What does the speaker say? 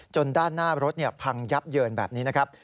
ด้านหน้ารถพังยับเยินแบบนี้นะครับ